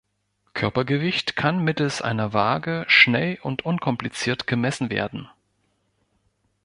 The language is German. Körpergewicht kann mittels einer Waage schnell und unkompliziert gemessen werden.